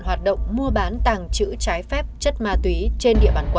hoạt động mua bán tặng chữ trái phép chất ma túy trên địa bàn quận